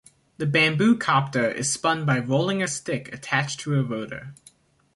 The bamboo-copter is spun by rolling a stick attached to a rotor.